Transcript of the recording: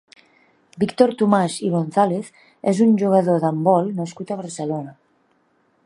Víctor Tomàs i Gonzàlez és un jugador d'handbol nascut a Barcelona.